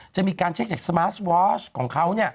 จะมีการเช็คจากสมาร์ทวอชของเขา